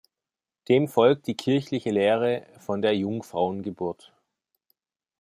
Dem folgt die kirchliche Lehre von der Jungfrauengeburt.